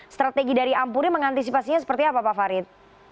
strategi dari ampuri mengantisipasinya seperti apa pak farid